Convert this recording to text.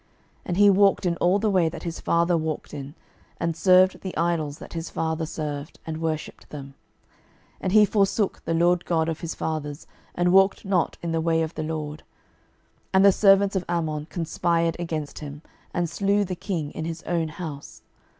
12:021:021 And he walked in all the way that his father walked in, and served the idols that his father served, and worshipped them: 12:021:022 And he forsook the LORD God of his fathers, and walked not in the way of the LORD. 12:021:023 And the servants of Amon conspired against him, and slew the king in his own house.